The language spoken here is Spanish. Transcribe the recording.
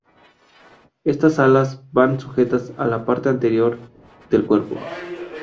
Estas "alas" van sujetas a la parte anterior del cuerpo.